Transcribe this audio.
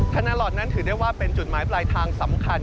ธนาลอทนั้นถือได้ว่าเป็นจุดหมายปลายทางสำคัญ